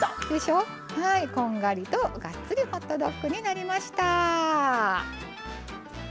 こんがりとがっつりホットドッグになりました。